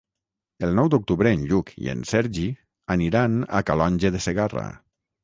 El nou d'octubre en Lluc i en Sergi aniran a Calonge de Segarra.